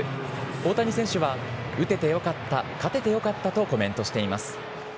大谷選手は打ててよかった、勝ててよかったとコメントしています。